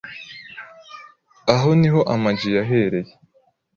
Aho niho Ama G yahereye